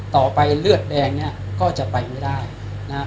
ต่อไปยกเดงนี่ก็จะไปไม่ได้นะครับ